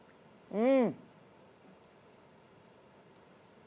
うん。